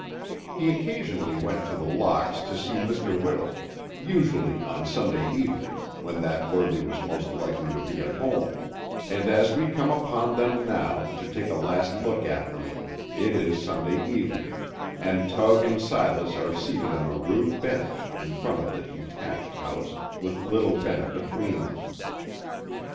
He occasionally went to The Locks to see Mr. Whittle, usually on Sunday evening, when that worthy was most likely to be at home, and as we come upon them now, to take a last look at them, it is Sunday evening, and Tug and Silas are seated on a rude bench, in front of the detached house, with little Ben between them.